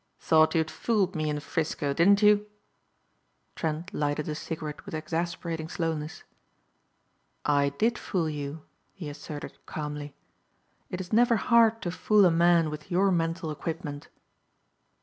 "Thought you'd fooled me in 'Frisco, didn't you?" Trent lighted a cigarette with exasperating slowness. "I did fool you," he asserted calmly. "It is never hard to fool a man with your mental equipment."